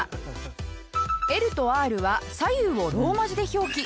Ｌ と Ｒ は左右をローマ字で表記